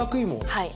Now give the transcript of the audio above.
はい。